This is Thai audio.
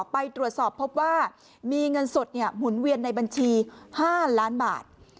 ไปตรวจสอบพบว่ามีเงินสดหมุนเวียนในบัญชี๕ล้านบาท